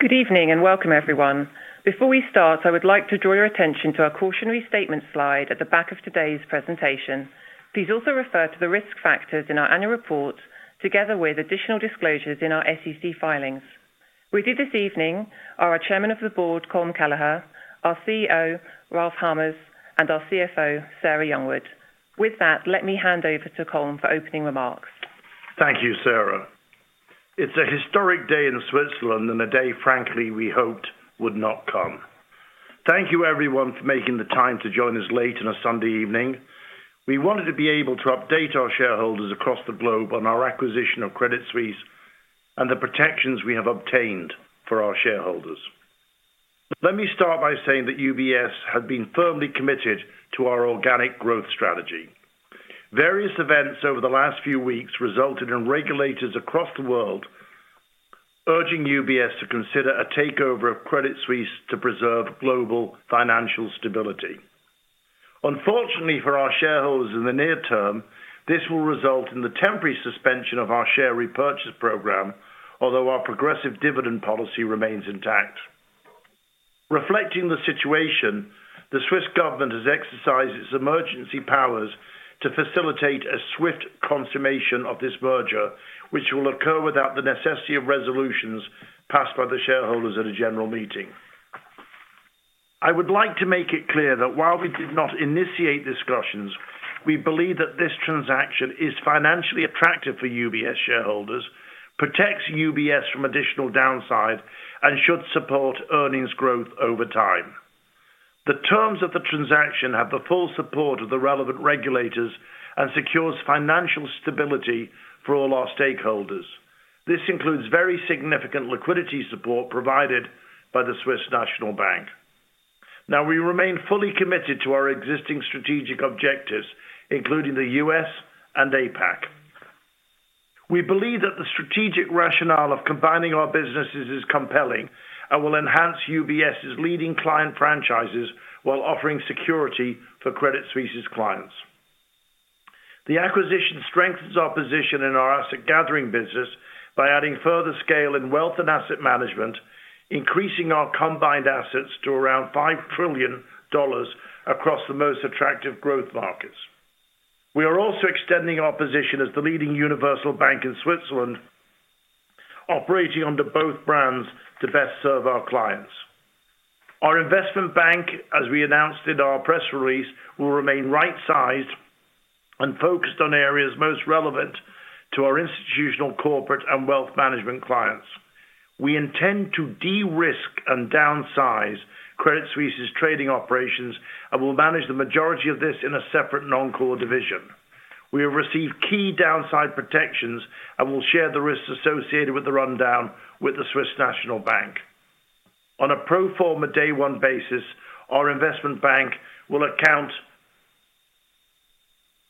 Good evening, and welcome everyone. Before we start, I would like to draw your attention to our cautionary statement slide at the back of today's presentation. Please also refer to the risk factors in our annual report, together with additional disclosures in our SEC filings. With you this evening are our Chairman of the Board, Colm Kelleher, our CEO, Ralph Hamers, and our CFO, Sarah Youngwood. With that, let me hand over to Colm for opening remarks. Thank you, Sarah. It's a historic day in Switzerland and a day, frankly, we hoped would not come. Thank you everyone for making the time to join us late on a Sunday evening. We wanted to be able to update our shareholders across the globe on our acquisition of Credit Suisse and the protections we have obtained for our shareholders. Let me start by saying that UBS has been firmly committed to our organic growth strategy. Various events over the last few weeks resulted in regulators across the world urging UBS to consider a takeover of Credit Suisse to preserve global financial stability. Unfortunately for our shareholders in the near term, this will result in the temporary suspension of our share repurchase program, although our progressive dividend policy remains intact. Reflecting the situation, the Swiss government has exercised its emergency powers to facilitate a swift consummation of this merger, which will occur without the necessity of resolutions passed by the shareholders at a general meeting. I would like to make it clear that while we did not initiate discussions, we believe that this transaction is financially attractive for UBS shareholders, protects UBS from additional downside, and should support earnings growth over time. The terms of the transaction have the full support of the relevant regulators and secures financial stability for all our stakeholders. This includes very significant liquidity support provided by the Swiss National Bank. We remain fully committed to our existing strategic objectives, including the U.S. and APAC. We believe that the strategic rationale of combining our businesses is compelling and will enhance UBS's leading client franchises while offering security for Credit Suisse's clients. The acquisition strengthens our position in our asset gathering business by adding further scale in wealth and asset management, increasing our combined assets to around $5 trillion across the most attractive growth markets. We are also extending our position as the leading universal bank in Switzerland, operating under both brands to best serve our clients. Our investment bank, as we announced in our press release, will remain right-sized and focused on areas most relevant to our institutional corporate and wealth management clients. We intend to de-risk and downsize Credit Suisse's trading operations, and we'll manage the majority of this in a separate non-core division. We have received key downside protections and will share the risks associated with the rundown with the Swiss National Bank. On a pro forma day one basis, our investment bank will account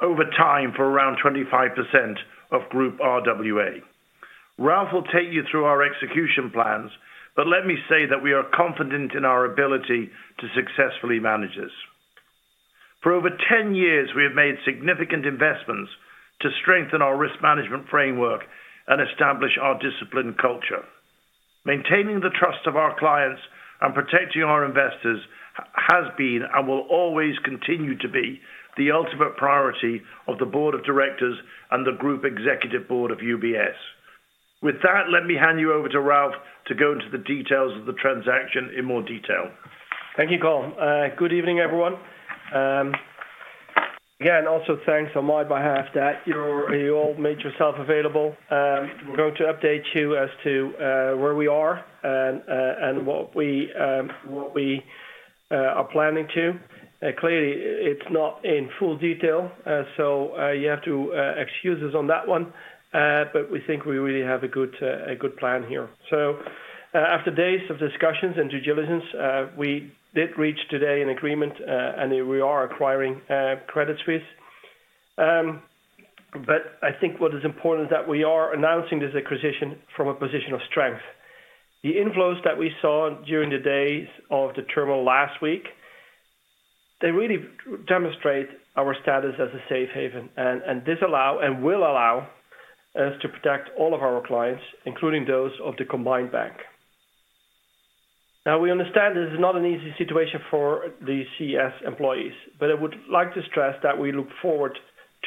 over time for around 25% of Group RWA. Ralph Hamers will take you through our execution plans. Let me say that we are confident in our ability to successfully manage this. For over 10 years, we have made significant investments to strengthen our risk management framework and establish our disciplined culture. Maintaining the trust of our clients and protecting our investors has been and will always continue to be the ultimate priority of the board of directors and the group executive board of UBS. Let me hand you over to Ralph Hamers to go into the details of the transaction in more detail. Thank you, Colm. Good evening, everyone. Again, also thanks on my behalf that you all made yourself available. We're going to update you as to where we are and what we are planning to. Clearly it's not in full detail, so you have to excuse us on that one. We think we really have a good plan here. After days of discussions and due diligence, we did reach today an agreement, and we are acquiring Credit Suisse. I think what is important is that we are announcing this acquisition from a position of strength. The inflows that we saw during the days of the turmoil last week, they really demonstrate our status as a safe haven and this allow and will allow us to protect all of our clients, including those of the combined bank. We understand this is not an easy situation for the CS employees, but I would like to stress that we look forward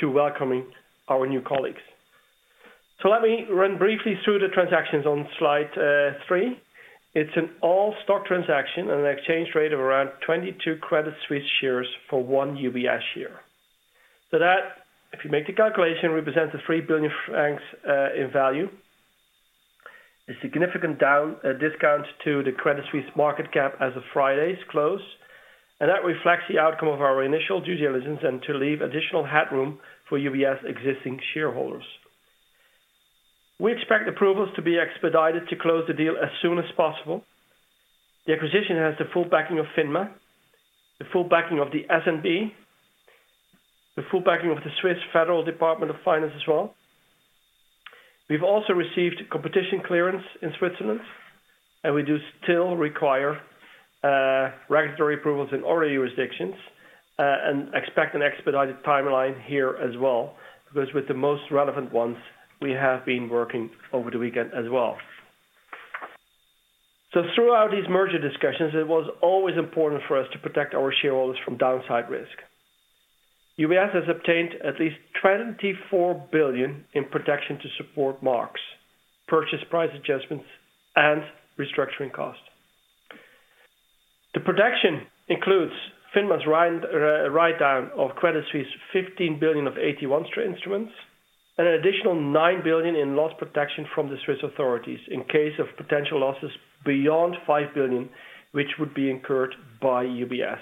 to welcoming our new colleagues. Let me run briefly through the transactions on slide three. It's an all-stock transaction at an exchange rate of around 22 Credit Suisse shares for one UBS share. That, if you make the calculation, represents a 3 billion francs in value, a significant down discount to the Credit Suisse market cap as of Friday's close. That reflects the outcome of our initial due diligence and to leave additional headroom for UBS existing shareholders. We expect approvals to be expedited to close the deal as soon as possible. The acquisition has the full backing of FINMA, the full backing of the SNB, the full backing of the Swiss Federal Department of Finance as well. We've also received competition clearance in Switzerland, and we do still require regulatory approvals in other jurisdictions, and expect an expedited timeline here as well, because with the most relevant ones, we have been working over the weekend as well. Throughout these merger discussions, it was always important for us to protect our shareholders from downside risk. UBS has obtained at least 24 billion in protection to support marks, purchase price adjustments, and restructuring costs. The protection includes FINMA's write-down of Credit Suisse, 15 billion of AT1 instruments, and an additional 9 billion in loss protection from the Swiss authorities in case of potential losses beyond 5 billion, which would be incurred by UBS.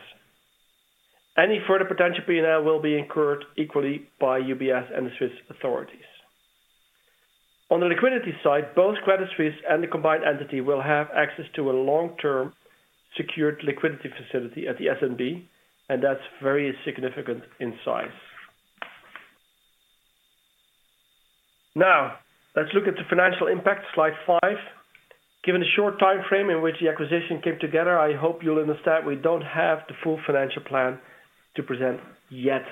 Any further potential P&L will be incurred equally by UBS and the Swiss authorities. On the liquidity side, both Credit Suisse and the combined entity will have access to a long-term secured liquidity facility at the SNB, and that's very significant in size. Now, let's look at the financial impact, Slide five. Given the short timeframe in which the acquisition came together, I hope you'll understand we don't have the full financial plan to present yet.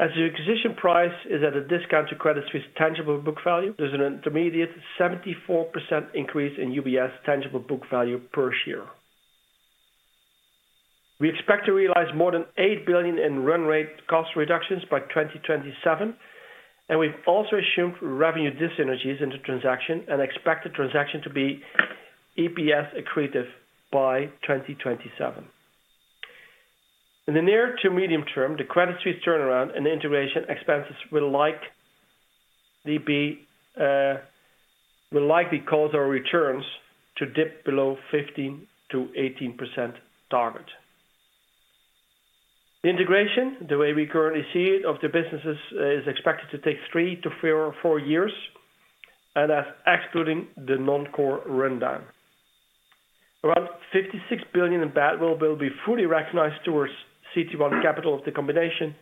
As the acquisition price is at a discount to Credit Suisse tangible book value, there's an intermediate 74% increase in UBS tangible book value per share. We expect to realize more than $8 billion in run rate cost reductions by 2027. We've also assumed revenue dys synergies in the transaction and expect the transaction to be EPS accretive by 2027. In the near to medium term, the Credit Suisse turnaround and integration expenses will likely cause our returns to dip below 15%-18% target. The integration, the way we currently see it, of the businesses is expected to take three to four years and as excluding the non-core rundown. Around $56 billion in badwill will be fully recognized towards CET1 capital of the combination.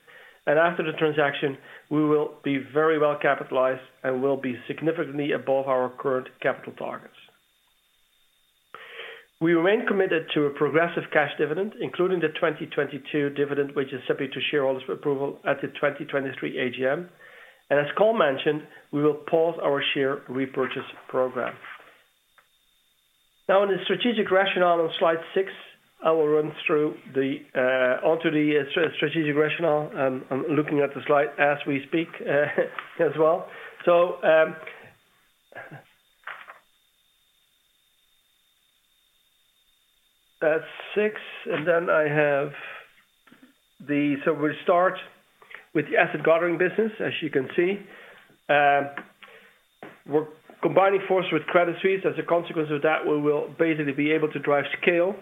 After the transaction, we will be very well capitalized and will be significantly above our current capital targets. We remain committed to a progressive cash dividend, including the 2022 dividend, which is subject to shareholders approval at the 2023 AGM. As Colm mentioned, we will pause our share repurchase program. Now, in the strategic rationale on slide six, I will run through the onto the strategic rationale. I'm looking at the slide as we speak, as well. That's six. We start with the asset gathering business. As you can see, we're combining forces with Credit Suisse. As a consequence of that, we will basically be able to drive scale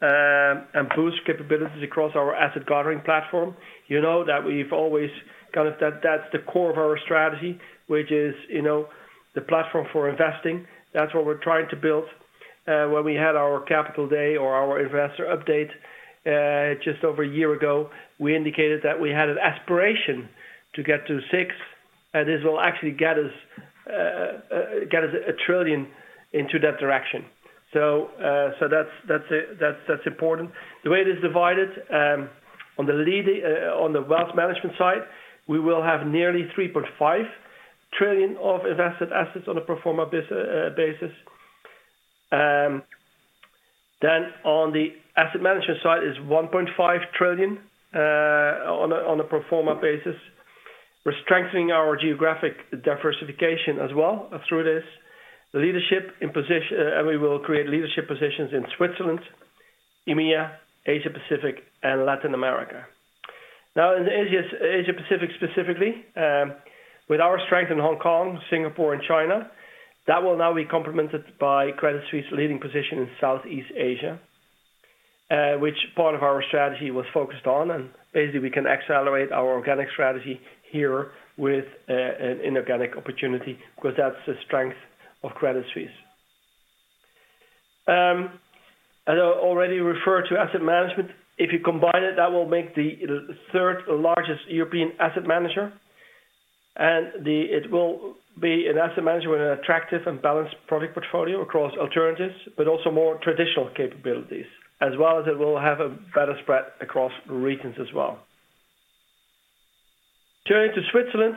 and boost capabilities across our asset gathering platform. You know that we've always kind of that's the core of our strategy, which is, you know, the platform for investing. That's what we're trying to build. When we had our capital day or our investor update, just over a year ago, we indicated that we had an aspiration to get to six, and this will actually get us 1 trillion into that direction. That's, that's, that's important. The way it is divided, on the wealth management side, we will have nearly 3.5 trillion of invested assets on a pro forma basis. On the asset management side is 1.5 trillion on a pro forma basis. We're strengthening our geographic diversification as well through this. The leadership in position, and we will create leadership positions in Switzerland, EMEA, Asia Pacific, and Latin America. Now in Asia Pacific specifically, with our strength in Hong Kong, Singapore and China, that will now be complemented by Credit Suisse leading position in Southeast Asia, which part of our strategy was focused on. Basically, we can accelerate our organic strategy here with an inorganic opportunity because that's the strength of Credit Suisse. As I already referred to asset management, if you combine it, that will make the third-largest European asset manager, and it will be an asset manager with an attractive and balanced product portfolio across alternatives, but also more traditional capabilities, as well as it will have a better spread across regions as well. Turning to Switzerland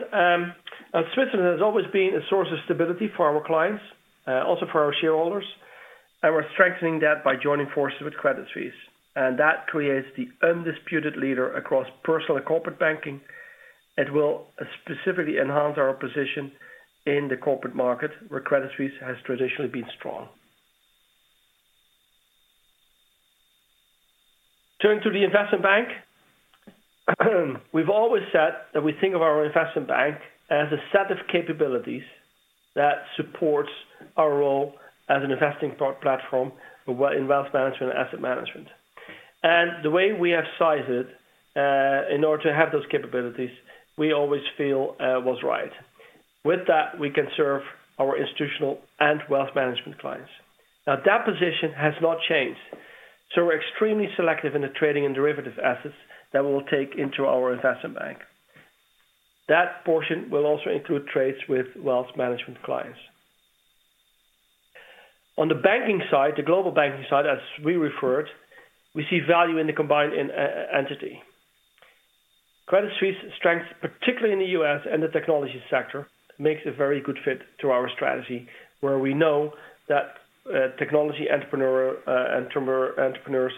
has always been a source of stability for our clients, also for our shareholders, and we're strengthening that by joining forces with Credit Suisse. That creates the undisputed leader across personal and corporate banking. It will specifically enhance our position in the corporate market, where Credit Suisse has traditionally been strong. Turning to the investment bank, we've always said that we think of our investment bank as a set of capabilities that supports our role as an investing platform in wealth management and asset management. The way we have sized it, in order to have those capabilities, we always feel, was right. With that, we can serve our institutional and wealth management clients. That position has not changed, so we're extremely selective in the trading and derivative assets that we'll take into our investment bank. That portion will also include trades with wealth management clients. On the banking side, the global banking side, as we refer it, we see value in the combined entity. Credit Suisse's strength, particularly in the U.S. and the technology sector, makes a very good fit to our strategy, where we know that technology entrepreneurs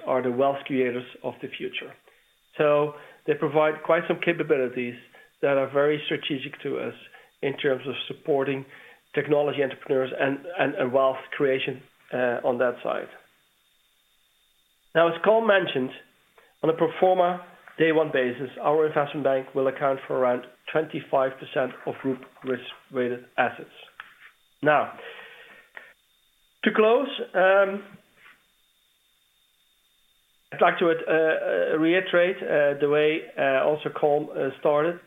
are the wealth creators of the future. They provide quite some capabilities that are very strategic to us in terms of supporting technology entrepreneurs and wealth creation on that side. As Colm mentioned, on a pro forma day one basis, our Investment Bank will account for around 25% of group risk-weighted assets. To close, I'd like to reiterate the way also Colm started.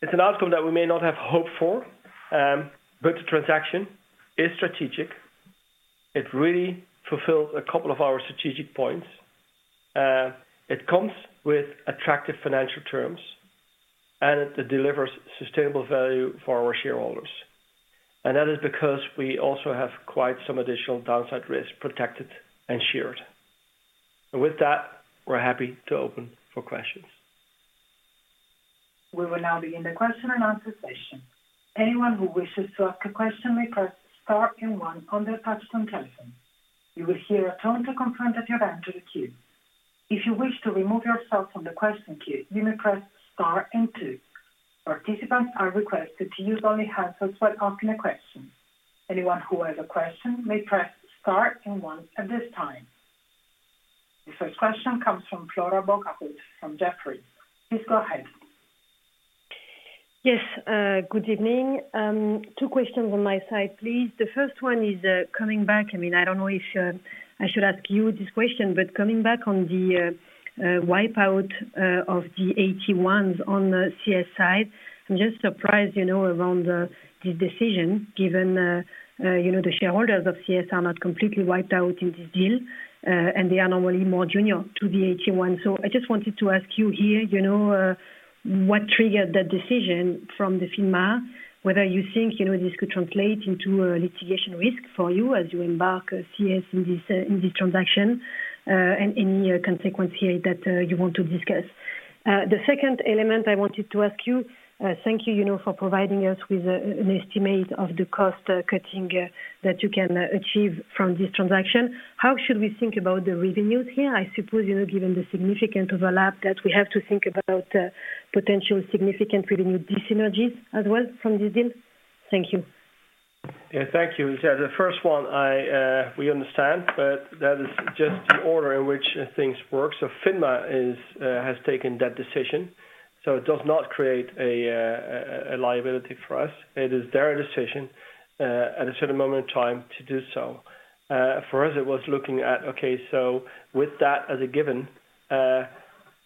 It's an outcome that we may not have hoped for, but the transaction is strategic. It really fulfills a couple of our strategic points. It comes with attractive financial terms, and it delivers sustainable value for our shareholders. That is because we also have quite some additional downside risk protected and shared. With that, we're happy to open for questions. We will now begin the question-and-answer session. Anyone who wishes to ask a question may press star one on their touch-tone telephone. You will hear a tone to confirm that you have entered the queue. If you wish to remove yourself from the question queue, you may press star two. Participants are requested to use only hands when asking a question. Anyone who has a question may press star one at this time. The first question comes from Flora Bocahut from Jefferies. Please go ahead. Yes, good evening. Two questions on my side, please. The first one is, coming back, I mean, I don't know if, I should ask you this question, but coming back on the, wipe out of the AT-ones on the CS side, I'm just surprised, you know, around the, this decision, given, you know, the shareholders of CS are not completely wiped out in this deal, and they are normally more junior to the AT-one. I just wanted to ask you here, you know, what triggered the decision from the FINMA, whether you think, you know, this could translate into a litigation risk for you as you embark CS in this transaction, and any consequence here that you want to discuss. The second element I wanted to ask you, thank you know, for providing us with an estimate of the cost cutting that you can achieve from this transaction. How should we think about the revenues here? I suppose, you know, given the significant overlap that we have to think about potential significant revenue dyssynergies as well from this deal. Thank you. Yeah, thank you. The first one I, we understand, but that is just the order in which things work. FINMA is, has taken that decision, so it does not create a liability for us. It is their decision, at a certain moment in time to do so. For us, it was looking at, okay, with that as a given,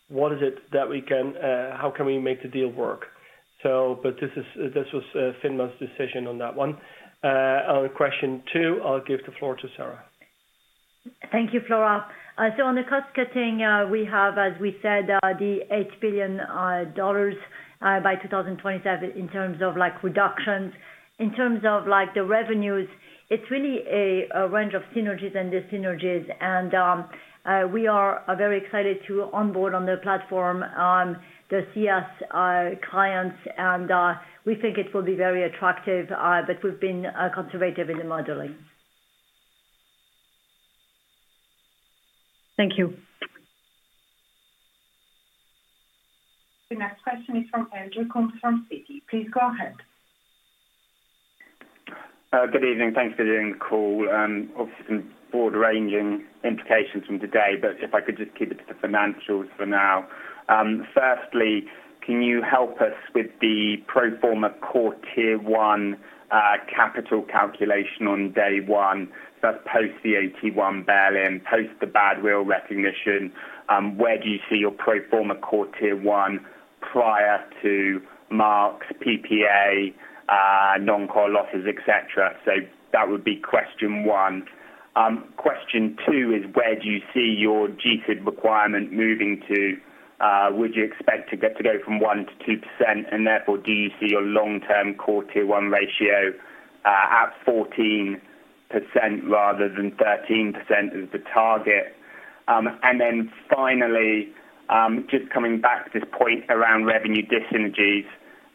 what is it that we can, how can we make the deal work? This is, this was FINMA's decision on that one. On question two, I'll give the floor to Sarah. Thank you, Flora. On the cost-cutting, we have, as we said, the $8 billion by 2027 in terms of, like, reductions. In terms of, like, the revenues, it's really a range of synergies and dyssynergies, and we are very excited to onboard on the platform the CS clients, and we think it will be very attractive, but we've been conservative in the modeling. Thank you. The next question is from Andrew Coombs from Citi. Please go ahead. Good evening. Thanks for doing the call. Obviously some broad-ranging implications from today, if I could just keep it to the financials for now. Firstly, can you help us with the pro forma core tier one capital calculation on day one, thus post the AT1 bail-in, post the badwill recognition, where do you see your pro forma core tier one prior to Marks, PPA, non-core losses, et cetera? That would be question one. Question two is where do you see your G-SIB requirement moving to? Would you expect to get to go from 1%-2% and therefore do you see your long-term core tier one ratio at 14% rather than 13% as the target? Finally, just coming back to this point around revenue dyssynergies.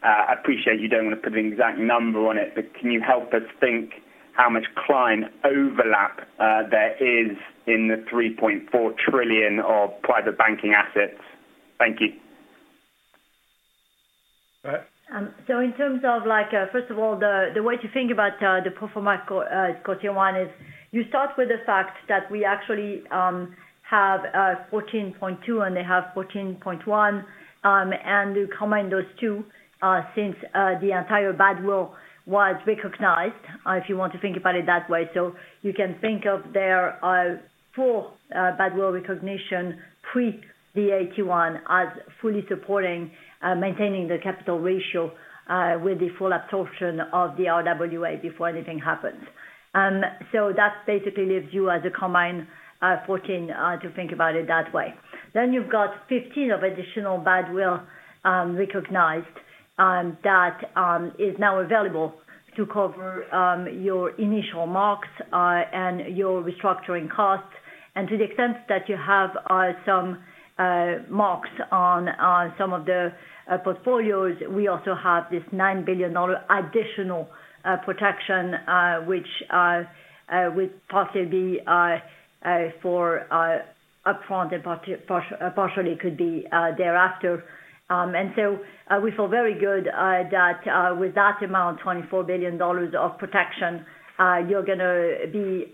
I appreciate you don't want to put an exact number on it, but can you help us think how much client overlap there is in the 3.4 trillion of private banking assets? Thank you. All right. In terms of, first of all, the way to think about the pro forma core Tier one is you start with the fact that we actually have 14.2 and they have 14.1, and you combine those two, since the entire badwill was recognized, if you want to think about it that way. You can think of their full badwill recognition pre the AT1 as fully supporting maintaining the capital ratio with the full absorption of the RWA before anything happens. That basically leaves you as a combined 14% to think about it that way. You've got 15 of additional badwill recognized that is now available to cover your initial marks and your restructuring costs. To the extent that you have some marks on some of the portfolios, we also have this $9 billion additional protection which will possibly be for upfront and partially could be thereafter. We feel very good that with that amount, $24 billion of protection, you're gonna be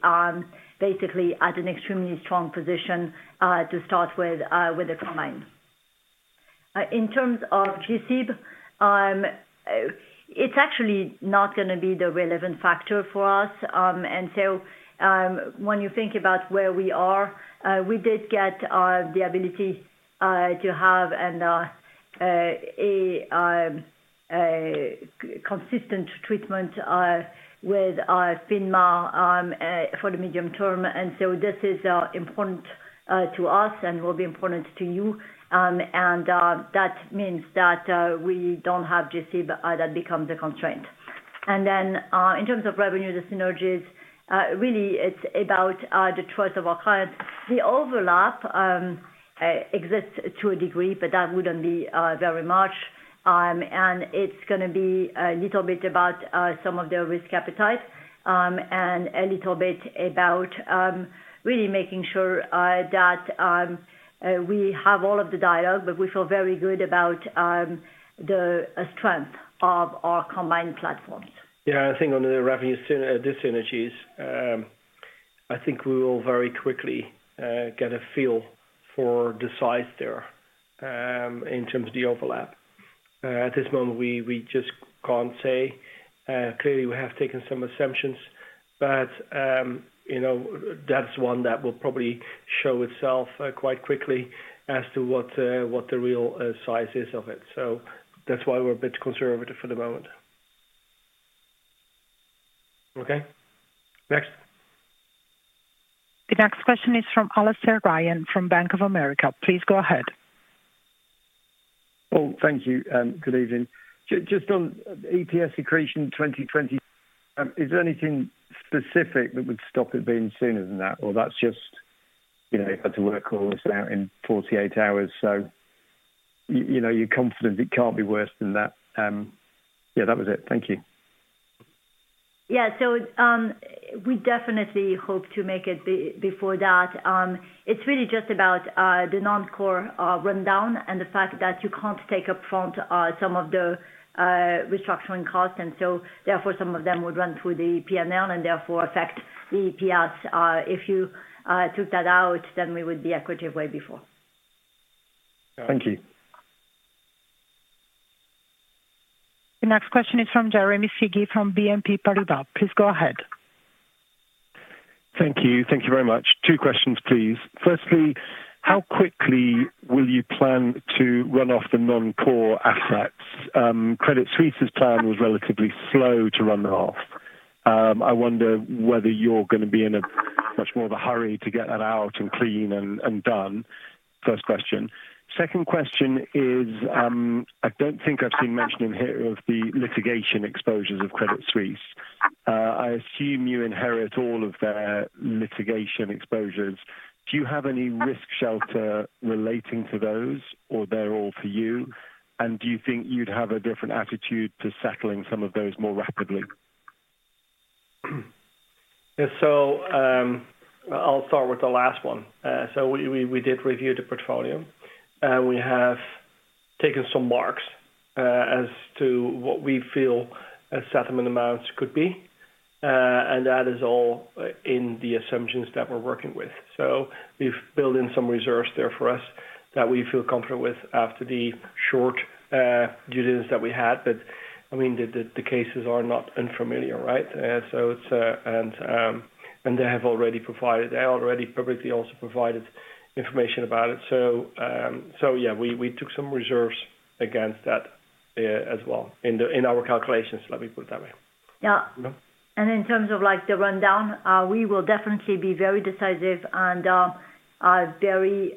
basically at an extremely strong position to start with the combined. In terms of GSIB, it's actually not gonna be the relevant factor for us. When you think about where we are, we did get the ability to have a consistent treatment with FINMA for the medium term. This is important to us and will be important to you. That means that we don't have GSIB that becomes a constraint. In terms of revenue, the synergies, really it's about the trust of our clients. The overlap exists to a degree, but that wouldn't be very much. It's gonna be a little bit about some of their risk appetite, and a little bit about really making sure that we have all of the data, but we feel very good about the strength of our combined platforms. I think on the revenue dyssynergies, I think we will very quickly get a feel for the size there, in terms of the overlap. At this moment, we just can't say. Clearly, we have taken some assumptions, but, you know, that's one that will probably show itself quite quickly as to what the real size is of it. That's why we're a bit conservative for the moment. Next. The next question is from Alastair Ryan from Bank of America. Please go ahead. Thank you, good evening. Just on EPS accretion 2020, is there anything specific that would stop it being sooner than that? That's just, you know, you've had to work all this out in 48 hours, so, you know, you're confident it can't be worse than that. Yeah, that was it. Thank you. We definitely hope to make it before that. It's really just about the non-core rundown and the fact that you can't take upfront some of the restructuring costs. Therefore, some of them would run through the PNL and therefore affect the EPS. If you took that out, we would be accretive way before. Thank you. The next question is from Jeremy Sigee from BNP Paribas. Please go ahead. Thank you. Thank you very much. Two questions, please. Firstly, how quickly will you plan to run off the non-core assets? Credit Suisse's plan was relatively slow to run off. I wonder whether you're gonna be in a much more of a hurry to get that out and clean and done. First question. Second question is, I don't think I've seen mention in here of the litigation exposures of Credit Suisse. I assume you inherit all of their litigation exposures. Do you have any risk shelter relating to those or they're all for you? Do you think you'd have a different attitude to settling some of those more rapidly? Yeah. I'll start with the last one. We did review the portfolio. We have taken some marks as to what we feel a settlement amount could be, and that is all in the assumptions that we're working with. We've built in some reserves there for us that we feel comfortable with after the short due diligence that we had. I mean, the cases are not unfamiliar, right? It's. They already publicly also provided information about it. Yeah, we took some reserves against that as well in our calculations. Let me put it that way. Yeah. No? In terms of, like, the rundown, we will definitely be very decisive and very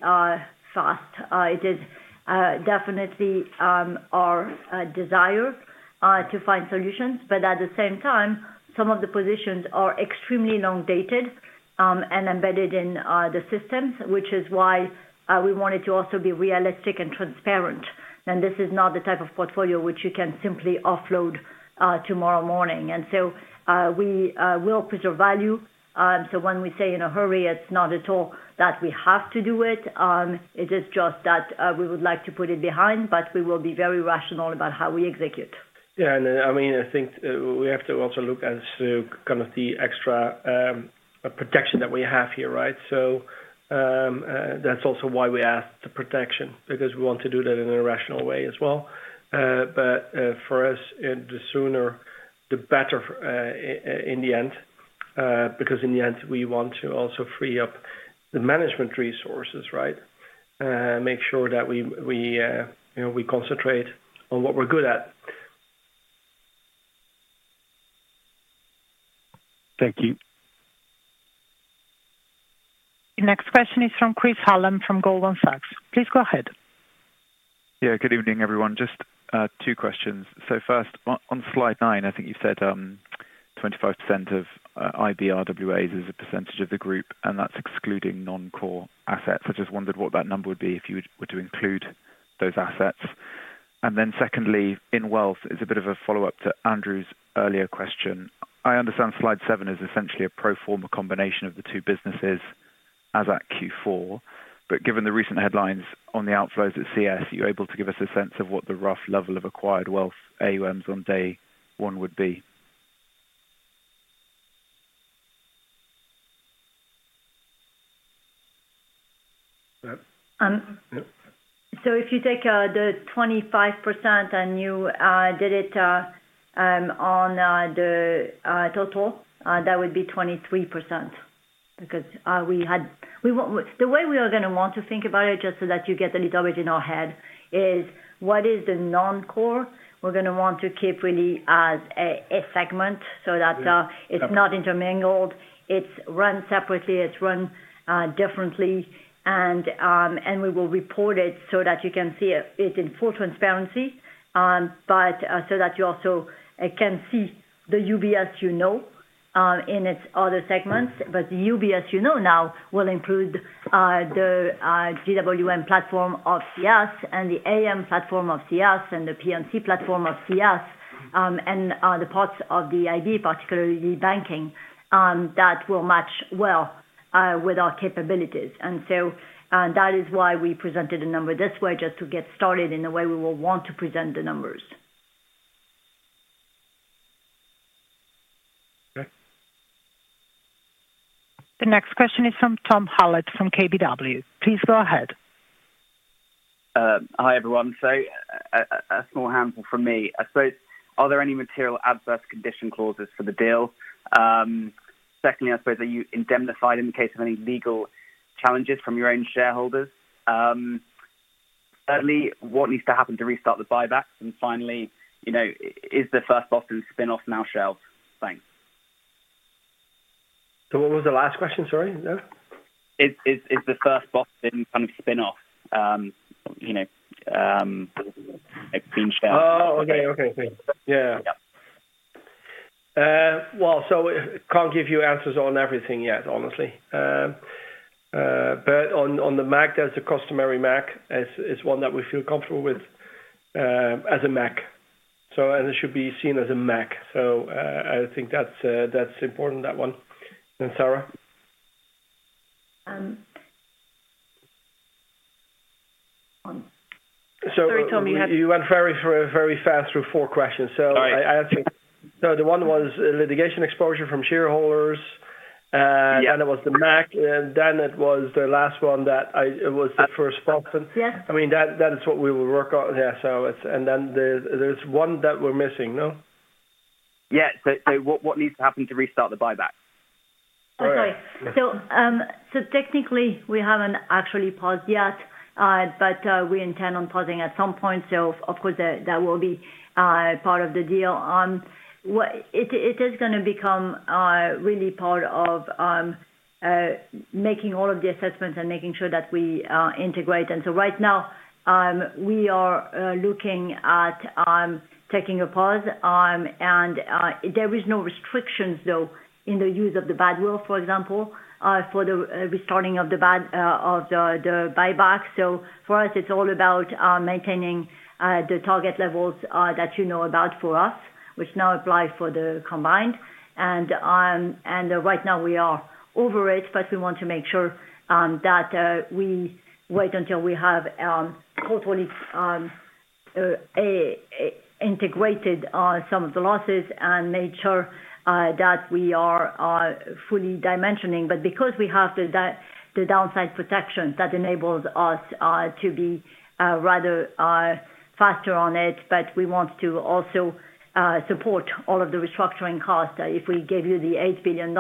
fast. It is definitely our desire to find solutions, but at the same time, some of the positions are extremely long dated and embedded in the systems, which is why we wanted to also be realistic and transparent. This is not the type of portfolio which you can simply offload tomorrow morning. We will preserve value. When we say in a hurry, it's not at all that we have to do it. It is just that we would like to put it behind, but we will be very rational about how we execute. Yeah. I think we have to also look as to kind of the extra protection that we have here, right? That's also why we asked the protection because we want to do that in a rational way as well. For us, the sooner the better, in the end, because in the end, we want to also free up the management resources, right? Make sure that we, you know, we concentrate on what we're good at. Thank you. The next question is from Chris Hallam, from Goldman Sachs. Please go ahead. Yeah, good evening, everyone. Just two questions. First on slide nine, I think you said, 25% of IB RWAs as a percentage of the group, and that's excluding non-core assets. I just wondered what that number would be if you would to include those assets. Secondly, in wealth, it's a bit of a follow-up to Andrew's earlier question. I understand slide seven is essentially a pro forma combination of the two businesses as at Q4. Given the recent headlines on the outflows at CS, are you able to give us a sense of what the rough level of acquired wealth AUMs on day one would be? Yeah. Um. Yeah. If you take the 25% and you did it on the total, that would be 23% because the way we are gonna want to think about it, just so that you get a little bit in our head, is what is the non-core we're gonna want to keep really as a segment so that... Yeah. Okay. it's not intermingled. It's run separately, it's run differently. We will report it so that you can see it in full transparency. So that you also can see the UBS you know, in its other segments. Mm-hmm. The UBS you know now will include the GWM platform of CS and the AM platform of CS and the P&C platform of CS, and the parts of the IB, particularly banking, that will match well with our capabilities. That is why we presented the number this way just to get started in the way we will want to present the numbers. Okay. The next question is from Tom Hallett from KBW. Please go ahead. Hi, everyone. A small handful from me. I suppose, are there any material adverse condition clauses for the deal? Secondly, I suppose, are you indemnified in the case of any legal challenges from your own shareholders? Thirdly, what needs to happen to restart the buybacks? Finally, you know, is the First Boston spin-off now shelved? Thanks. What was the last question? Sorry. No. Is the First Boston kind of spin-off, you know, like being shelved? Oh, okay. Okay, great. Yeah. Yeah. Can't give you answers on everything yet, honestly. On the MAC, there's a customary MAC. It's one that we feel comfortable with, as a MAC. It should be seen as a MAC. I think that's important, that one. Sarah? Um. Sorry, Tom. You went very fast through four questions. Sorry. I think No, the one was litigation exposure from shareholders. Yeah. There was the MAC, and then it was the last one that it was the First Boston. Yeah. I mean, that is what we will work on. Yeah. Then there's one that we're missing. No? Yeah. So what needs to happen to restart the buyback? All right. Oh, sorry. Technically we haven't actually paused yet. We intend on pausing at some point. Of course that will be part of the deal. It is gonna become really part of making all of the assessments and making sure that we integrate. Right now, we are looking at taking a pause. There is no restrictions though, in the use of the badwill, for example, for the restarting of the bad of the buyback. For us it's all about maintaining the target levels that you know about for us, which now apply for the combined. Right now we are over it, but we want to make sure that we wait until we have totally integrated some of the losses and made sure that we are fully dimensioning. Because we have the downside protection, that enables us to be rather faster on it, but we want to also support all of the restructuring costs. If we gave you the $8 billion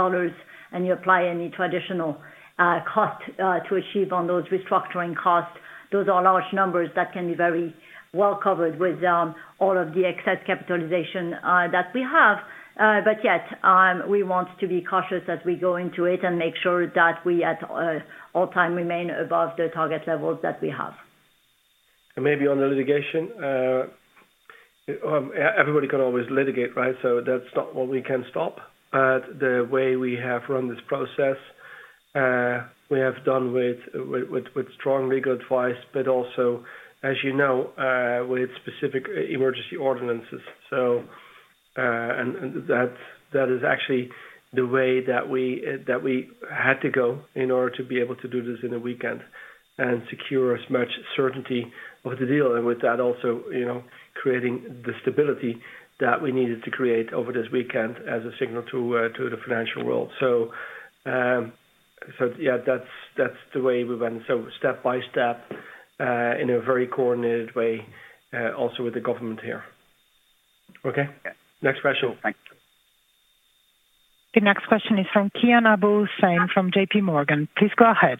and you apply any traditional cost to achieve on those restructuring costs, those are large numbers that can be very well covered with all of the excess capitalization that we have. Yet we want to be cautious as we go into it and make sure that we at all time remain above the target levels that we have. Maybe on the litigation, everybody can always litigate, right? That's not what we can stop. The way we have run this process, we have done with strong legal advice, but also, as you know, with specific emergency ordinances. And that is actually the way that we had to go in order to be able to do this in a weekend and secure as much certainty of the deal, and with that also, you know, creating the stability that we needed to create over this weekend as a signal to the financial world. Yeah, that's the way we went. Step by step, in a very coordinated way, also with the government here. Okay. Yeah. Next question. Thank you. The next question is from Kian Abouhossein from JPMorgan. Please go ahead.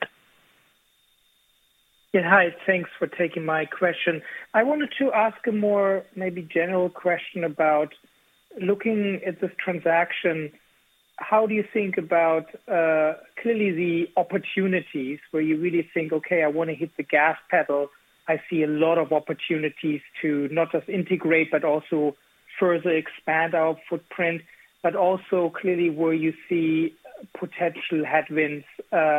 Yeah. Hi. Thanks for taking my question. I wanted to ask a more maybe general question about looking at this transaction. How do you think about clearly the opportunities where you really think, okay, I want to hit the gas pedal. I see a lot of opportunities to not just integrate but also further expand our footprint, but also clearly where you see potential headwinds that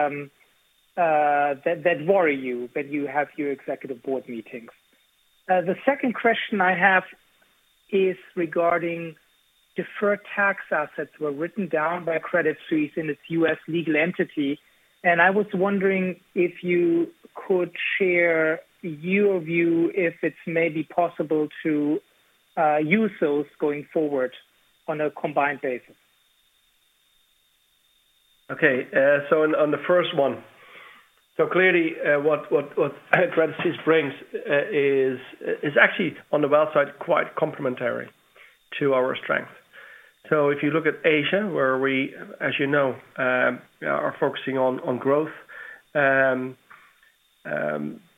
worry you when you have your executive board meetings. The second question I have is regarding deferred tax assets were written down by Credit Suisse in its U.S. legal entity, and I was wondering if you could share your view, if it's maybe possible to use those going forward on a combined basis. Okay. So on the first one. Clearly, what Credit Suisse brings, is actually on the wealth side, quite complementary to our strength. If you look at Asia, where we, as you know, are focusing on growth,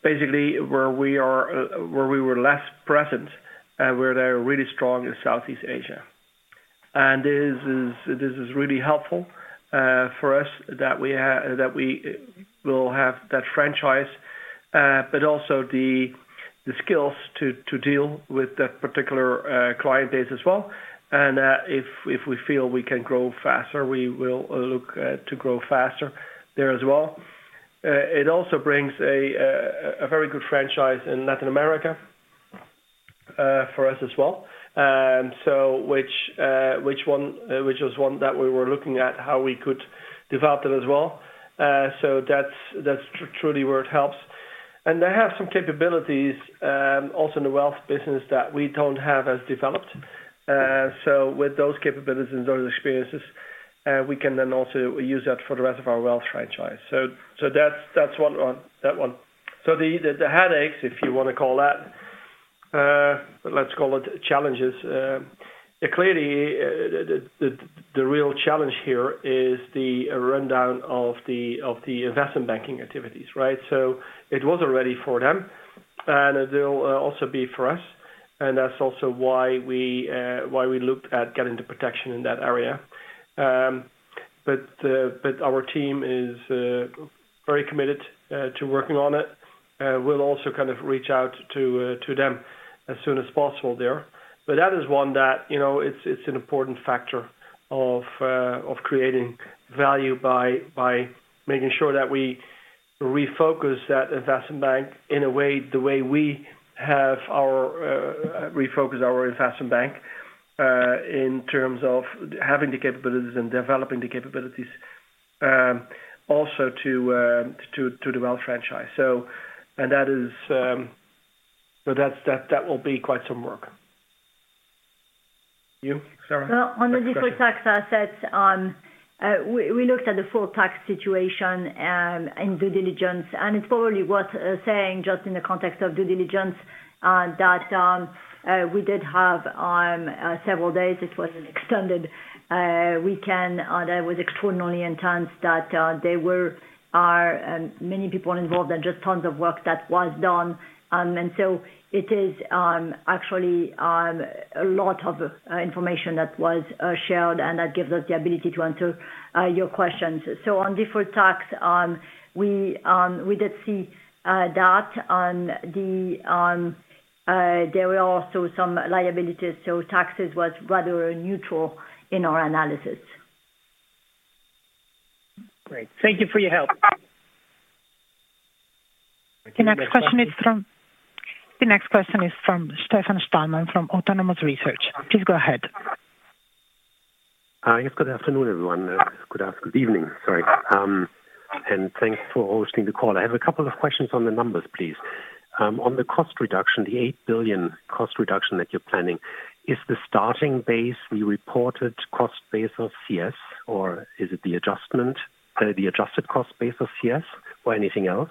basically where we were less present, where they are really strong in Southeast Asia. This is really helpful for us that we will have that franchise, but also the skills to deal with that particular client base as well. If we feel we can grow faster, we will look to grow faster there as well. It also brings a very good franchise in Latin America for us as well. Which is one that we were looking at, how we could develop that as well. That's truly where it helps. They have some capabilities, also in the wealth business that we don't have as developed. With those capabilities and those experiences, we can then also use that for the rest of our wealth franchise. That's one on that one. The headaches, if you wanna call that, let's call it challenges. Clearly, the real challenge here is the rundown of the investment banking activities, right? It was already for them, and it will also be for us, and that's also why we, why we looked at getting the protection in that area. Our team is very committed to working on it. We'll also kind of reach out to them as soon as possible there. That is one that, you know, it's an important factor of creating value by making sure that we refocus that investment bank in a way, the way we have our refocused our investment bank, in terms of having the capabilities and developing the capabilities, also to the wealth franchise. That is. That's, that will be quite some work. You, Sarah? Well, on the deferred tax assets, we looked at the full tax situation in due diligence. It probably worth saying just in the context of due diligence, that we did have several days. It was an extended weekend that was extraordinarily intense, that there were many people involved and just tons of work that was done. It is actually a lot of information that was shared, and that gives us the ability to answer your questions. On deferred tax, we did see that on the, there were also some liabilities, so taxes was rather neutral in our analysis. Great. Thank you for your help. The next question is from Stefan Stalmann from Autonomous Research. Please go ahead. Yes, good afternoon, everyone. Good evening. Sorry. Thanks for hosting the call. I have a couple of questions on the numbers, please. On the cost reduction, the $8 billion cost reduction that you're planning, is the starting base the reported cost base of CS or is it the adjustment, the adjusted cost base of CS or anything else?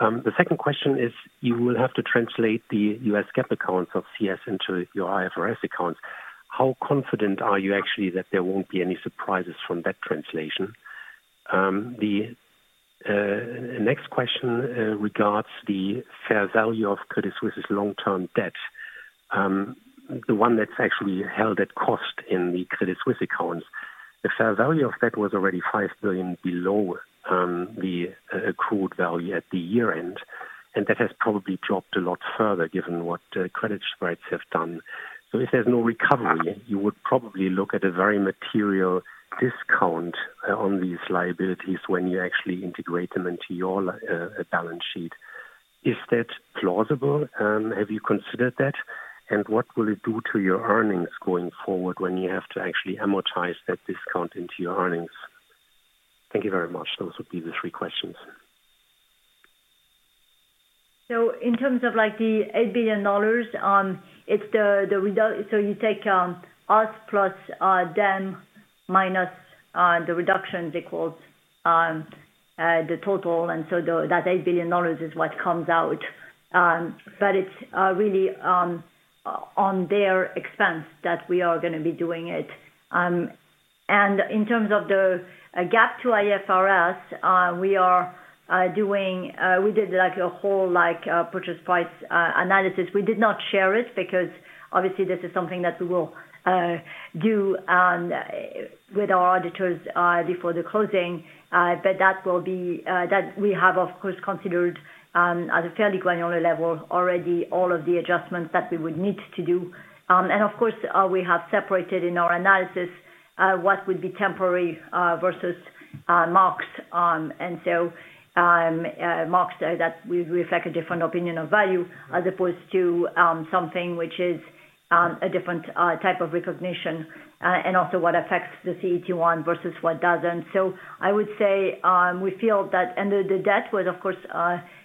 The second question is you will have to translate the U.S. GAAP accounts of CS into your IFRS accounts. How confident are you actually that there won't be any surprises from that translation? The next question regards the fair value of Credit Suisse's long-term debt, the one that's actually held at cost in the Credit Suisse accounts. The fair value of that was already 5 billion below, the accrued value at the year-end, and that has probably dropped a lot further given what credit spreads have done. If there's no recovery, you would probably look at a very material discount on these liabilities when you actually integrate them into your balance sheet. Is that plausible? Have you considered that? What will it do to your earnings going forward when you have to actually amortize that discount into your earnings? Thank you very much. Those would be the three questions. In terms of like the $8 billion, it's the result. You take us plus them minus the reductions equals the total, and so that $8 billion is what comes out. It's really on their expense that we are gonna be doing it. In terms of the gap to IFRS, we are doing. We did like a whole like purchase price analysis. We did not share it because obviously this is something that we will do and with our auditors before the closing. That will be that we have of course considered at a fairly granular level already all of the adjustments that we would need to do. We have separated in our analysis, what would be temporary, versus, marks on. Marks that we reflect a different opinion of value as opposed to, something which is, a different, type of recognition, and also what affects the CET1 versus what doesn't. The debt was of course,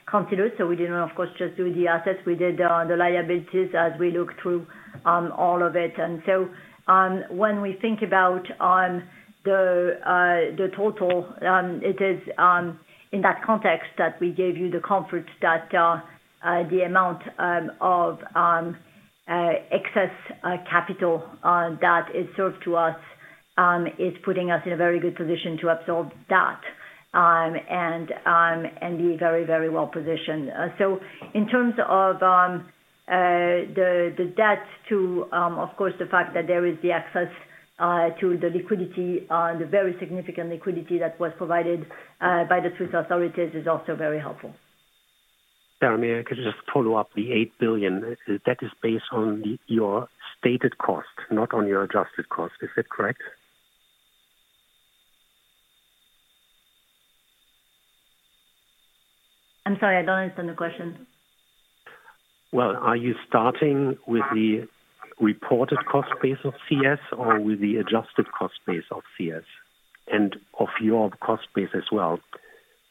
considered, so we didn't of course just do the assets, we did, the liabilities as we looked through, all of it. When we think about the total, it is in that context that we gave you the comfort that the amount of excess capital that is served to us is putting us in a very good position to absorb that and be very, very well positioned. In terms of the debt to, of course, the fact that there is the access to the liquidity, the very significant liquidity that was provided by the Swiss authorities is also very helpful. Sarah, may I, could you just follow up the $8 billion? That is based on your stated cost, not on your adjusted cost. Is that correct? I'm sorry, I don't understand the question. Well, are you starting with the reported cost base of CS or with the adjusted cost base of CS and of your cost base as well?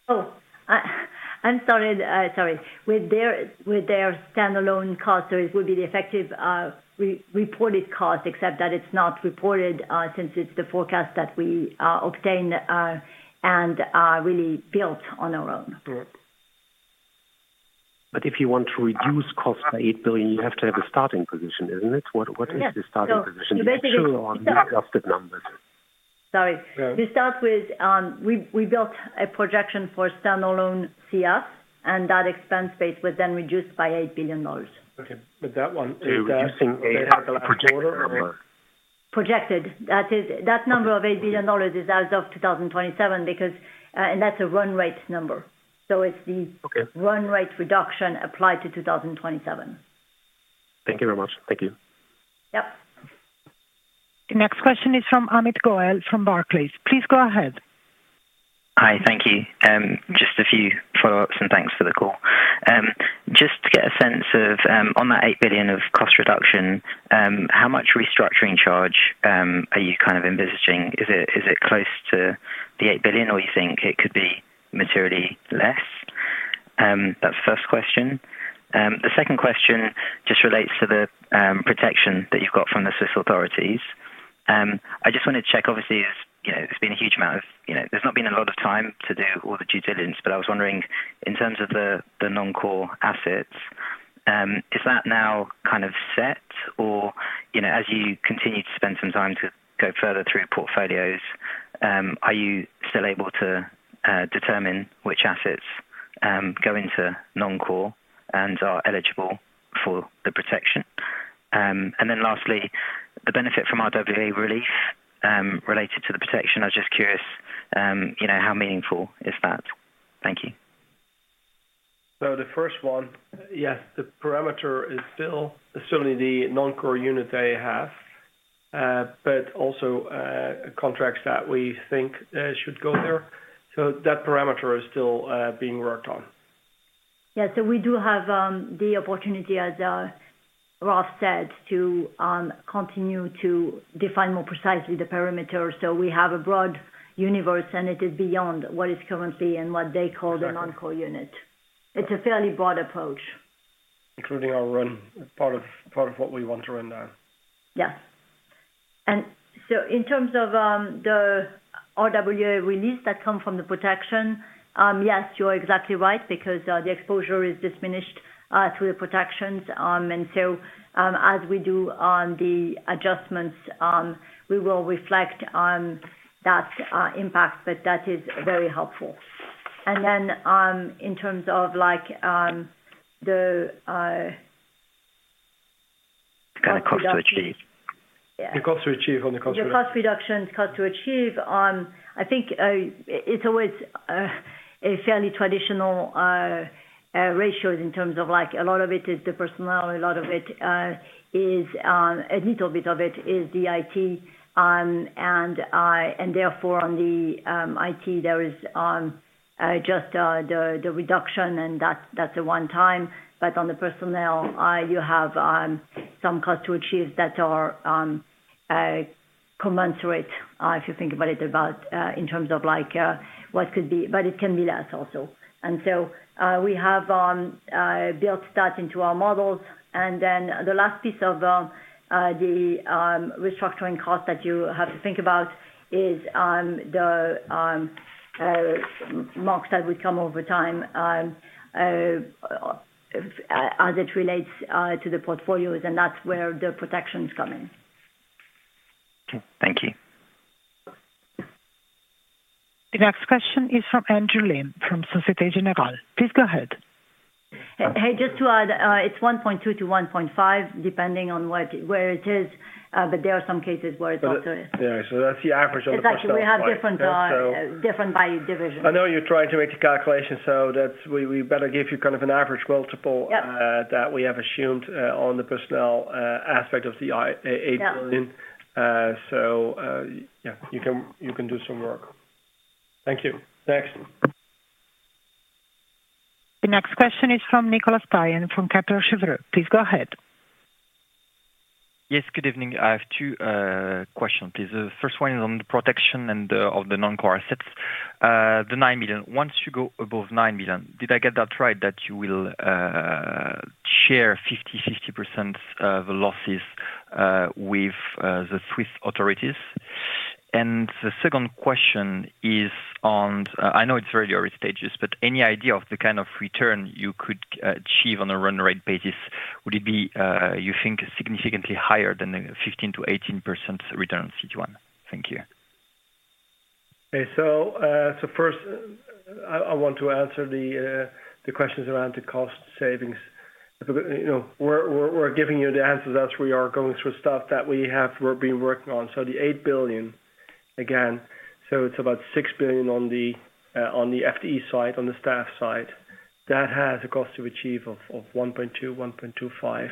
Oh, I'm sorry. Sorry. With their standalone cost, it would be the effective re-reported cost, except that it's not reported, since it's the forecast that we obtained and really built on our own. If you want to reduce cost by 8 billion, you have to have a starting position, isn't it? What is the starting position? Yes. Sure on the adjusted numbers. Sorry. No. We start with, we built a projection for standalone CS, and that expense base was then reduced by $8 billion. Okay. That one. reducing $8 billion. Projected. That number of $8 billion is as of 2027 because, and that's a run rate number. Okay... run rate reduction applied to 2027. Thank you very much. Thank you. Yep. The next question is from Amit Goel from Barclays. Please go ahead. Hi. Thank you. Just a few follow-ups and thanks for the call. Just to get a sense of, on that 8 billion of cost reduction, how much restructuring charge, are you kind of envisaging? Is it close to the 8 billion, or you think it could be materially less? That's the first question. The second question just relates to the protection that you've got from the Swiss authorities. I just wanted to check, obviously, as you know, there's been a huge amount of, you know, there's not been a lot of time to do all the due diligence, but I was wondering, in terms of the non-core assets, is that now kind of set? you know, as you continue to spend some time to go further through portfolios, are you still able to determine which assets go into non-core and are eligible for the protection? Lastly, the benefit from RWA relief related to the protection. I was just curious, you know, how meaningful is that? Thank you. The first one, yes, the parameter is still certainly the non-core unit they have, but also contracts that we think should go there. That parameter is still being worked on. Yeah. We do have the opportunity, as Ralph Hamers said, to continue to define more precisely the parameter. We have a broad universe, and it is beyond what is currently and what they call the non-core unit. It's a fairly broad approach. Including our run part of what we want to run now. Yeah. In terms of the RWA release that come from the protection, yes, you're exactly right because the exposure is diminished through the protections. As we do on the adjustments, we will reflect on that impact, but that is very helpful. In terms of like. Kind of cost to achieve. Yeah. The cost to achieve on the cost reduction. The cost reduction, cost to achieve, I think, it's always a fairly traditional ratios in terms of like a lot of it is the personnel, a lot of it is a little bit of it is the IT. Therefore on the IT, there is just the reduction, and that's a one time. On the personnel, you have some cost to achieve that are commensurate, if you think about it, about, in terms of like, what could be... It can be less also. We have built that into our models. The last piece of the restructuring cost that you have to think about is the marks that would come over time as it relates to the portfolios, and that's where the protection's come in. Okay. Thank you. The next question is from Andrew Lim from Societe Generale. Please go ahead. Hey, just to add, it's 1.2 to 1.5, depending on where it is, but there are some cases where it's up to eight. Yeah. That's the average on the personnel side. actually we have different by division. I know you're trying to make a calculation, so that's... We better give you kind of an average multiple. Yeah that we have assumed, on the personnel, aspect of the $8 billion. Yeah. Yeah. You can do some work. Thank you. Next. The next question is from Nicolas Payen from Kepler Cheuvreux. Please go ahead. Yes. Good evening. I have two questions, please. The first one is on the protection and of the non-core assets. The 9 billion. Once you go above 9 billion, did I get that right that you will share 50/50% of the losses with the Swiss authorities? The second question is on... I know it's very early stages, but any idea of the kind of return you could achieve on a run rate basis? Would it be, you think, significantly higher than the 15%-18% return on CET1? Thank you. Okay. First I want to answer the questions around the cost savings. You know, we're giving you the answers as we are going through stuff that we've been working on. The 8 billion, again, it's about 6 billion on the FTE side, on the staff side. That has a cost to achieve of 1.2 billion-1.25 billion.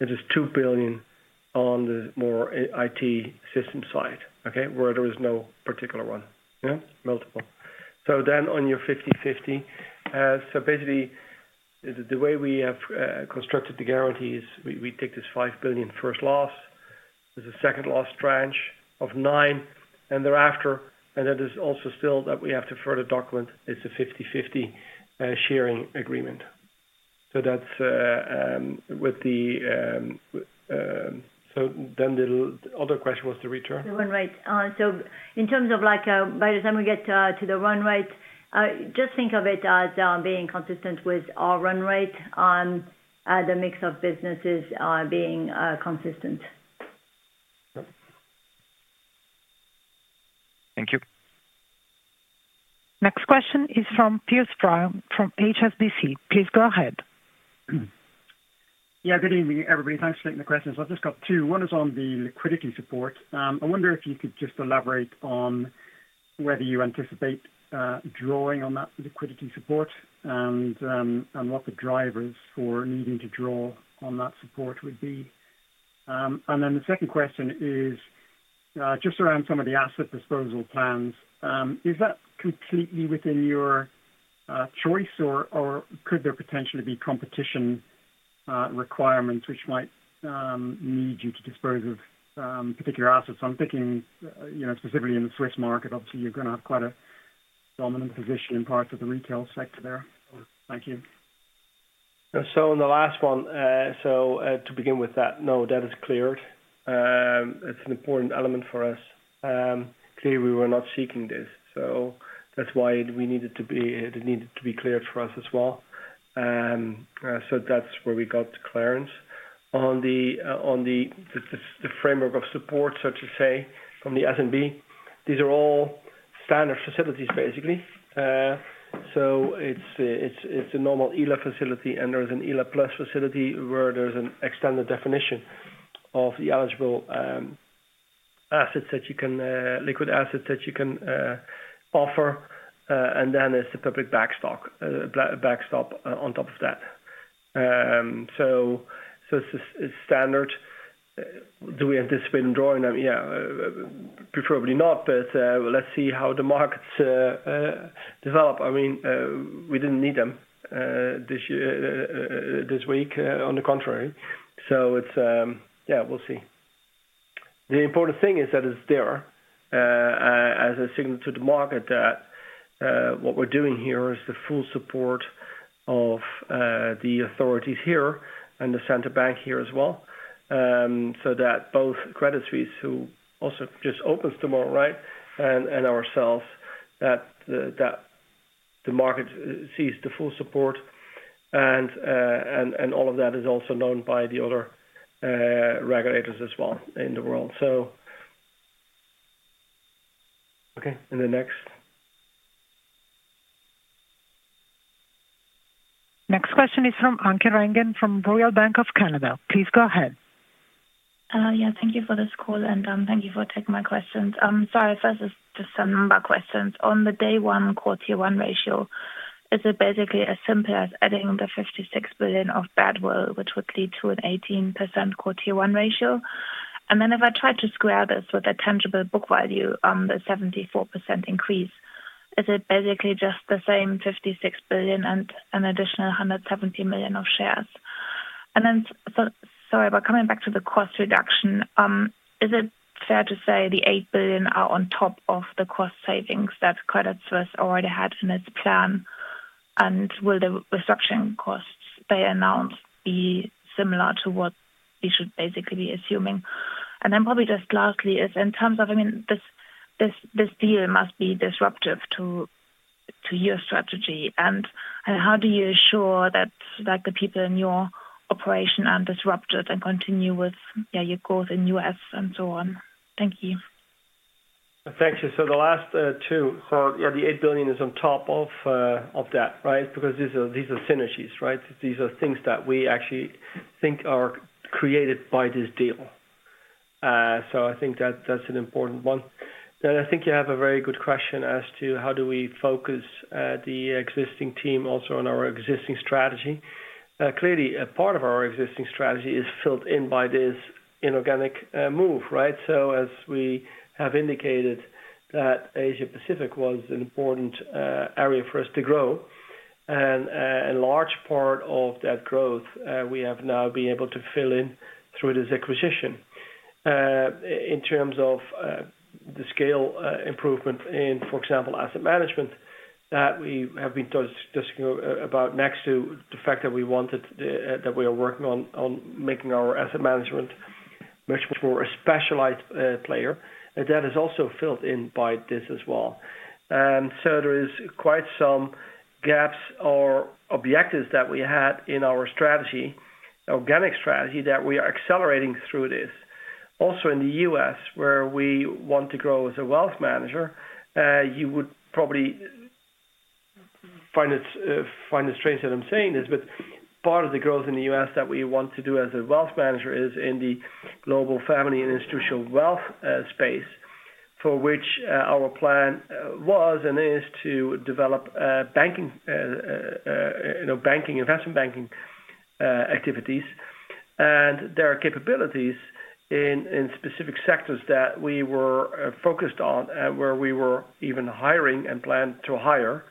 It is 2 billion on the more IT system side, okay? Where there is no particular one. Multiple. On your 50/50. Basically the way we have constructed the guarantees, we take this 5 billion first loss. There's a second loss tranche of 9 billion, thereafter, and that is also still that we have to further document, it's a 50/50 sharing agreement. That's. The other question was the return. The run rate. In terms of like, by the time we get to the run rate, just think of it as being consistent with our run rate on the mix of businesses, being consistent. Thank you. Next question is from Piers Brown from HSBC. Please go ahead. Yeah. Good evening, everybody. Thanks for taking the questions. I've just got two. One is on the liquidity support. I wonder if you could just elaborate on whether you anticipate drawing on that liquidity support and what the drivers for needing to draw on that support would be. Then the second question is just around some of the asset disposal plans. Is that completely within your choice, or could there potentially be competition requirements which might need you to dispose of particular assets? I'm thinking, you know, specifically in the Swiss market. Obviously, you're gonna have quite a dominant position in parts of the retail sector there. Thank you. On the last one, to begin with that, no, debt is cleared. It's an important element for us. Clearly, we were not seeking this, so that's why it needed to be cleared for us as well. That's where we got clearance. On the, on the framework of support, so to say, from the SNB, these are all standard facilities, basically. It's a normal ELA facility, and there's an ELA Plus facility where there's an extended definition of the eligible assets that you can liquid assets that you can offer, and then there's the public backstock backstop on top of that. It's standard. Do we anticipate in drawing them? Yeah, preferably not, but let's see how the markets develop. I mean, we didn't need them this year, this week. On the contrary. It's, yeah, we'll see. The important thing is that it's there as a signal to the market that what we're doing here is the full support of the authorities here and the central bank here as well, so that both Credit Suisse, who also just opens tomorrow, right? And ourselves, that the market sees the full support and all of that is also known by the other regulators as well in the world. Okay. The next. Next question is from Anke Reingen from Royal Bank of Canada. Please go ahead. Yeah. Thank you for this call, and thank you for taking my questions. Sorry. First is just some number questions. On the day one core Tier one ratio, is it basically as simple as adding the 56 billion of badwill, which would lead to an 18% core Tier one ratio? Then if I try to square this with the tangible book value on the 74% increase, is it basically just the same 56 billion and an additional 170 million of shares? Coming back to the cost reduction, is it fair to say the $8 billion are on top of the cost savings that Credit Suisse already had in its plan? Will the reduction costs they announced be similar to what we should basically be assuming? Probably just lastly is in terms of this deal must be disruptive to your strategy and how do you assure that the people in your operation aren't disrupted and continue with your growth in U.S. and so on? Thank you. Thank you. The last, two. Yeah, the 8 billion is on top of that, right? Because these are synergies, right? These are things that we actually think are created by this deal. I think that's an important one. I think you have a very good question as to how do we focus the existing team also on our existing strategy. Clearly a part of our existing strategy is filled in by this inorganic move, right? As we have indicated that Asia Pacific was an important area for us to grow and a large part of that growth, we have now been able to fill in through this acquisition. In terms of the scale improvement in, for example, asset management that we have been discussing about next to the fact that we wanted that we are working on making our asset management much more a specialized player. That is also filled in by this as well. There is quite some gaps or objectives that we had in our strategy, organic strategy, that we are accelerating through this. Also in the U.S., where we want to grow as a wealth manager, you would probably find it find the strength that I'm saying this, but part of the growth in the U.S. that we want to do as a wealth manager is in the global family and institutional wealth space, for which our plan was and is to develop banking, you know, banking, investment banking activities. There are capabilities in specific sectors that we were focused on, where we were even hiring and plan to hire.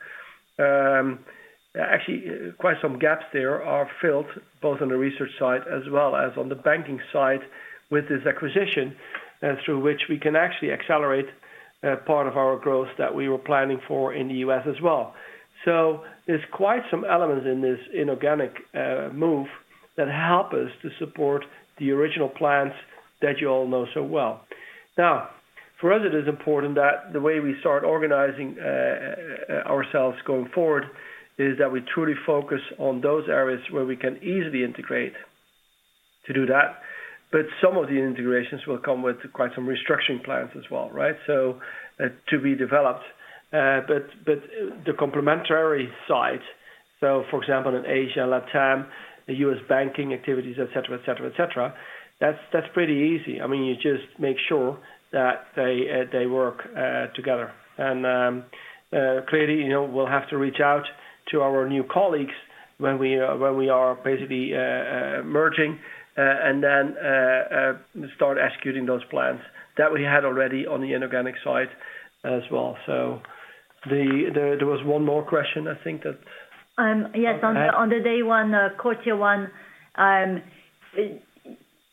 Quite some gaps there are filled both on the research side as well as on the banking side with this acquisition, through which we can actually accelerate part of our growth that we were planning for in the U.S. as well. There's quite some elements in this inorganic move that help us to support the original plans that you all know so well. For us, it is important that the way we start organizing ourselves going forward is that we truly focus on those areas where we can easily integrate to do that. Some of the integrations will come with quite some restructuring plans as well, right? To be developed. But the complementary side, so for example, in Asia, Latam, the U.S. banking activities, et cetera, et cetera, et cetera, that's pretty easy. I mean, you just make sure that they work together. Clearly, you know, we'll have to reach out to our new colleagues when we are basically merging, and then start executing those plans that we had already on the inorganic side as well. There was one more question I think that. Yes. On the day one, quarter one,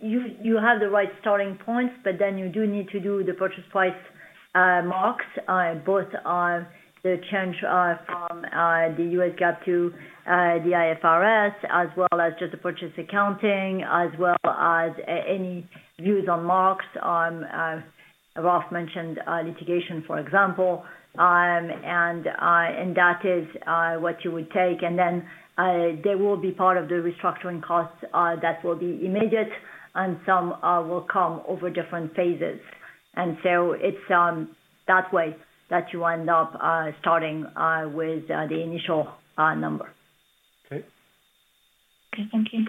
you have the right starting points, you do need to do the purchase price marks, both on the change from the U.S. GAAP to the IFRS, as well as just the purchase accounting, as well as any views on marks on Ralph mentioned litigation, for example. That is what you would take. There will be part of the restructuring costs that will be immediate and some will come over different phases. It's that way that you end up starting with the initial number. Okay. Okay. Thank you.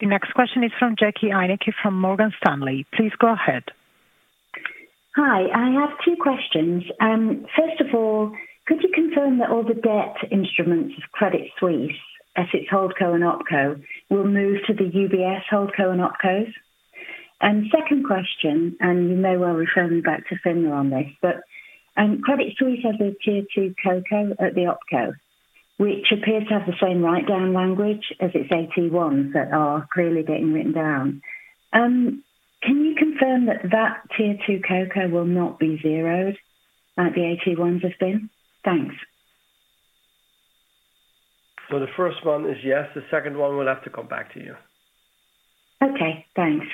The next question is from Magdalena Stoklosa from Morgan Stanley. Please go ahead. Hi. I have two questions. First of all, could you confirm that all the debt instruments of Credit Suisse at its HoldCo and OpCo will move to the UBS HoldCo and OpCo? Second question, you may well refer me back to FINMA on this. Credit Suisse has a Tier two CoCo at the OpCo, which appears to have the same write down language as its AT1 that are clearly getting written down. Can you confirm that that Tier two CoCo will not be zeroed like the AT1s have been? Thanks. The first one is yes. The second one we'll have to come back to you. Okay, thanks.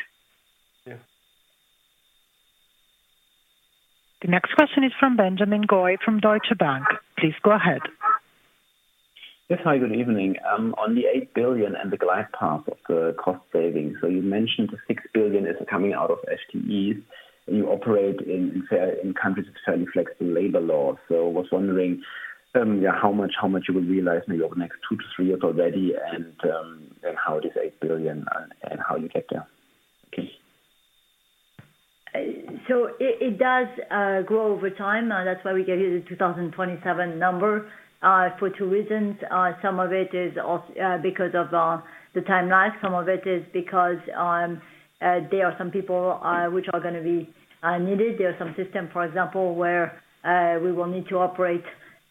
Yeah. The next question is from Benjamin Goy from Deutsche Bank. Please go ahead. Hi, good evening. On the 8 billion and the glide path of the cost savings. You mentioned the 6 billion is coming out of FTEs, and you operate in countries with fairly flexible labor laws. I was wondering, how much you will realize in the over next two-three years already and how this 8 billion and how you get there. Okay. It does grow over time. That's why we gave you the 2027 number for two reasons. Some of it is because of the timeline. Some of it is because there are some people which are gonna be needed. There are some system, for example, where we will need to operate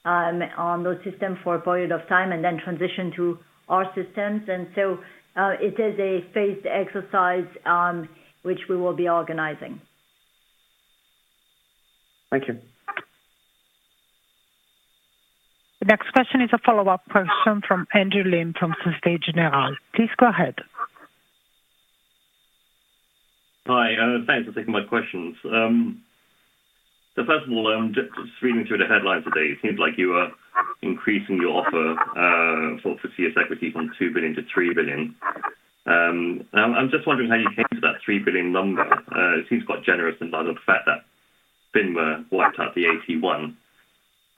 on those system for a period of time and then transition to our systems. It is a phased exercise which we will be organizing. Thank you. The next question is a follow-up question from Andrew Lim from Societe Generale. Please go ahead. Hi, thanks for taking my questions. First of all, I'm just reading through the headlines today. It seems like you are increasing your offer for CS Equity from 2 billion to 3 billion. I'm just wondering how you came to that 3 billion number. It seems quite generous in light of the fact that FINMA wiped out the AT1.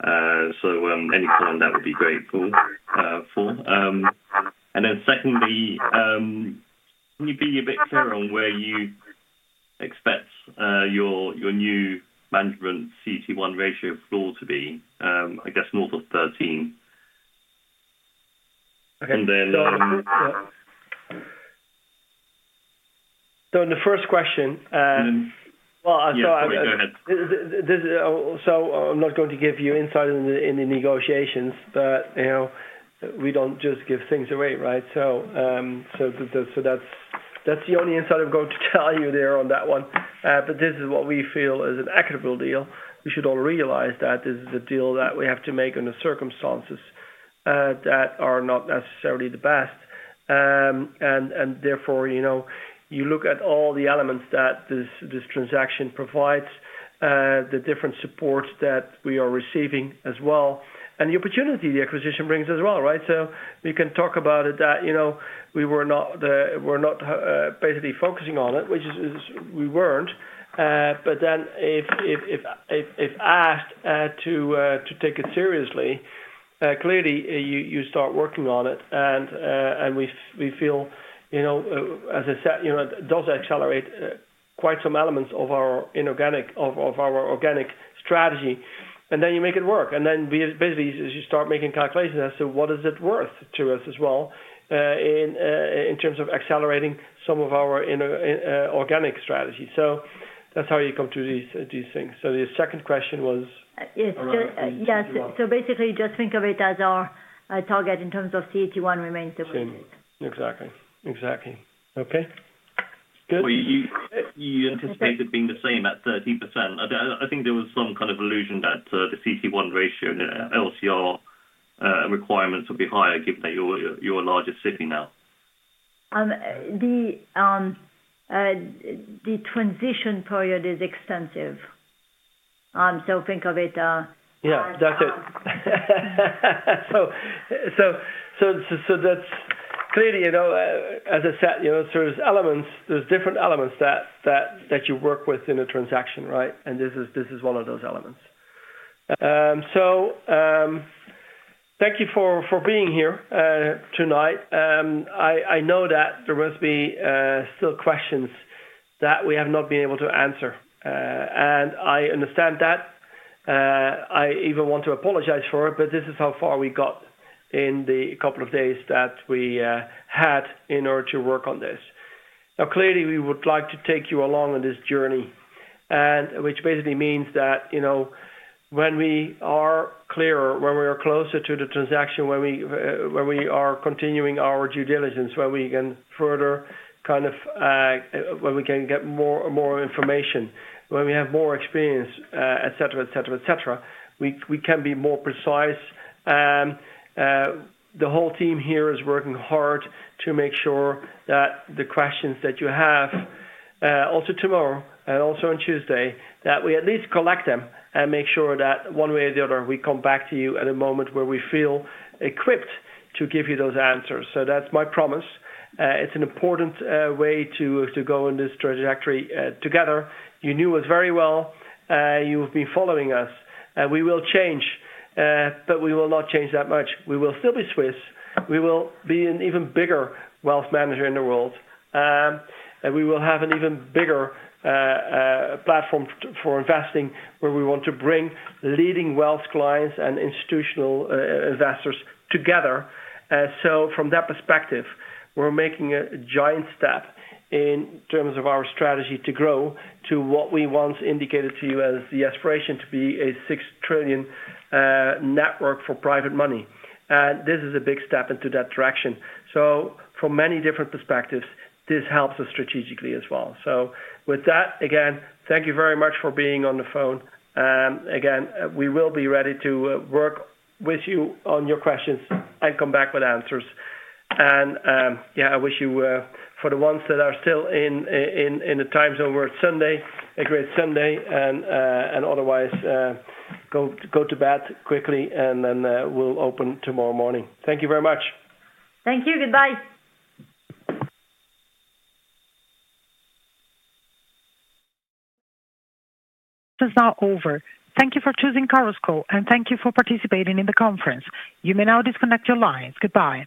Any comment that would be grateful for. Secondly, can you be a bit clearer on where you expect your new management CET1 ratio floor to be, I guess north of 13? Okay. And then- The first question, Mm-hmm. Well. Yeah. Sorry, go ahead. I'm not going to give you insight in the negotiations, but, you know, we don't just give things away, right? That's the only insight I'm going to tell you there on that one. But this is what we feel is an equitable deal. We should all realize that this is a deal that we have to make under circumstances that are not necessarily the best. And therefore, you know, you look at all the elements that this transaction provides, the different supports that we are receiving as well, and the opportunity the acquisition brings as well, right? We can talk about it that, you know, we were not, we're not, basically focusing on it, which is we weren't. But then if asked to take it seriously, clearly you start working on it. And we feel, you know, as I said, you know, it does accelerate quite some elements of our inorganic of our organic strategy. And then you make it work, and then we. Basically, you start making calculations as to what is it worth to us as well in terms of accelerating some of our organic strategy. That's how you come to these things. The second question was around- Yes. Basically, just think of it as our target in terms of CET1 remains the same. Same. Exactly. Exactly. Okay. Good. Well, you anticipated being the same at 13%. I think there was some kind of illusion that the CET1 ratio and LCR requirements will be higher given that you're larger SIFI now. The transition period is extensive. Think of it. Yeah, that's it. That's clearly, you know, as I said, you know, so there's elements, there's different elements that you work with in a transaction, right? This is one of those elements. Thank you for being here tonight. I know that there must be still questions that we have not been able to answer, and I understand that. I even want to apologize for it, but this is how far we got in the couple of days that we had in order to work on this. Now, clearly, we would like to take you along on this journey, which basically means that, you know, when we are clearer, when we are closer to the transaction, when we, when we are continuing our due diligence, when we can further kind of, when we can get more, more information, when we have more experience, et cetera, et cetera, et cetera, we can be more precise. The whole team here is working hard to make sure that the questions that you have, also tomorrow and also on Tuesday, that we at least collect them and make sure that one way or the other, we come back to you at a moment where we feel equipped to give you those answers. That's my promise. It's an important way to go on this trajectory, together. You knew us very well. You've been following us. We will change, but we will not change that much. We will still be Swiss. We will be an even bigger wealth manager in the world. We will have an even bigger platform for investing, where we want to bring leading wealth clients and institutional investors together. From that perspective, we're making a giant step in terms of our strategy to grow to what we once indicated to you as the aspiration to be a $6 trillion network for private money. This is a big step into that direction. From many different perspectives, this helps us strategically as well. With that, again, thank you very much for being on the phone. Again, we will be ready to work with you on your questions and come back with answers. I wish you, for the ones that are still in the time zone, where it's Sunday, a great Sunday and otherwise, go to bed quickly, and then we'll open tomorrow morning. Thank you very much. Thank you. Goodbye. This is now over. Thank you for choosing Chorus Call, and thank you for participating in the conference. You may now disconnect your lines. Goodbye.